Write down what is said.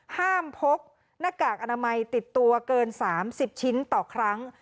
พกหน้ากากอนามัยติดตัวเกิน๓๐ชิ้นต่อครั้ง